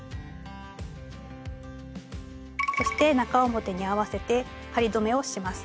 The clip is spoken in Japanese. そして中表に合わせて仮留めをします。